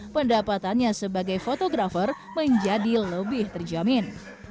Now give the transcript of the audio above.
pendapatannya sebagai fotografer menjadi lebih terjamin